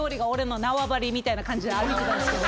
みたいな感じで歩いてたんですけど。